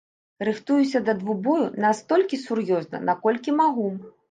Рыхтуюся да двубою настолькі сур'ёзна, наколькі магу.